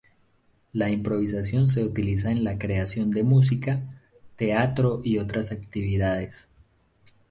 La improvisación se utiliza en la creación de música, teatro y otras actividades.